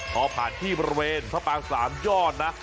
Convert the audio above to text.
พอผ่านที่บริเวณพระปางสามยอดนะ